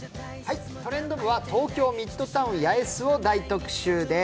「トレンド部」は東京ミッドタウン八重洲を大特集です。